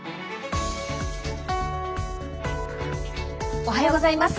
おはようございます。